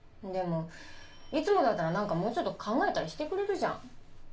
でもいつもだったら何かもうちょっと考えたりしてくれるじゃん。